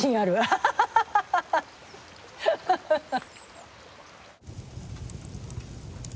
ハハハハハ！